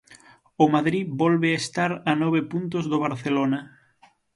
O Madrid volve a estar a nove puntos do Barcelona.